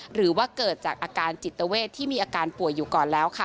หรือว่าเกิดจากอาการจิตเวทที่มีอาการป่วยอยู่ก่อนแล้วค่ะ